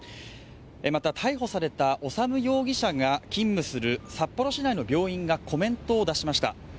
また、逮捕された修容疑者が勤務する札幌市内の病院がコメントを出しました。